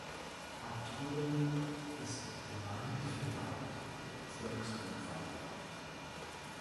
Abt Rulle ist der Marienfelder Abt, der im Volksmund weiterlebt.